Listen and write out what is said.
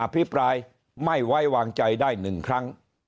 พิปรายไม่ไว้วางใจได้๑ครั้ง